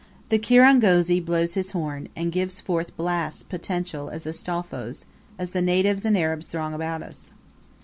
The kirangozi blows his horn, and gives forth blasts potential as Astolpho's, as the natives and Arabs throng around us.